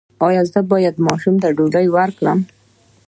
ایا زه باید ماشوم ته ډوډۍ ورکړم؟